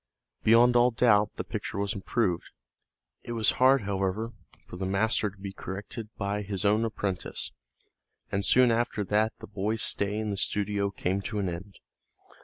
Beyond all doubt the picture was improved. It was hard, however, for the master to be corrected by his own apprentice, and soon after that the boy's stay in the studio came to an end.